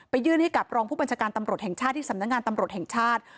ยื่นให้กับรองผู้บัญชาการตำรวจแห่งชาติที่สำนักงานตำรวจแห่งชาติ